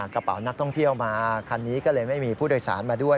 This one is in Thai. กระเป๋านักท่องเที่ยวมาคันนี้ก็เลยไม่มีผู้โดยสารมาด้วย